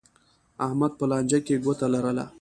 احمد په لانجه کې ګوته لرله.